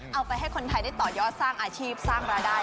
เอาไปให้คนไทยได้ต่อยอดสร้างอาชีพสร้างรายได้